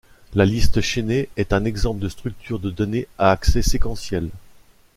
La liste chaînée est un exemple de structure de données à accès séquentiel.